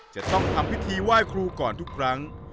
จะต้องทำพิธีไหว้ครูก่อนทุกครั้ง